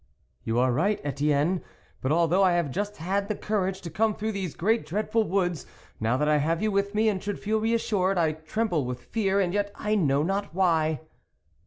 " You are right, Etienne ; but although I have just had the courage to come through these great dreadful woods, now that I have you with me and should feel reassured, I tremble with fear, and yet I know not why."